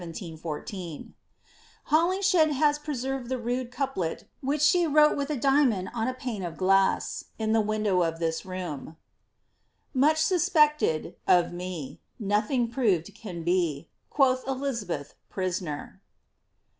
* Holinshed has preserved the rude couplet which she wrote with a diamond on a pane of glass, in the window of this room. ^ ^fuch 8uspected^ of me, Nothing proved can be, Quoth Elizabeth, prisoner.